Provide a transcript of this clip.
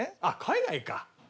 あっ海外か。